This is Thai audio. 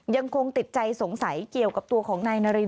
ยังคงติดใจสงสัยเกี่ยวกับตัวของนายนาริน